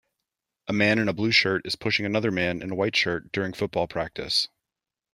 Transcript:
A man in a blue shirt is pushing another man in a white shirt during football practice.